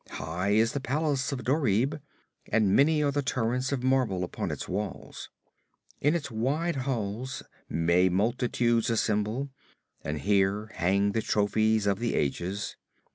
High is the palace of Dorieb, and many are the turrets of marble upon its walls. In its wide halls may multitudes assemble, and here hang the trophies of the ages.